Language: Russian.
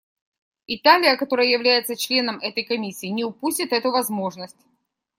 Италия, которая является членом этой Комиссии, не упустит эту возможность.